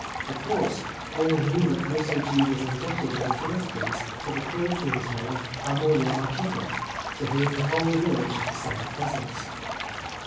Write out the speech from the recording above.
Of course, all knew that Yosoji was indebted in the first place to the fortune teller Kamo Yamakiko, to whom the whole village sent presents.